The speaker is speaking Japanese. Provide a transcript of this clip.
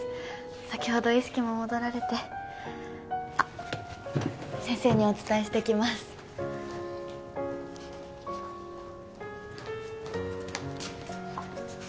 先ほど意識も戻られてあっ先生にお伝えしてきますあっ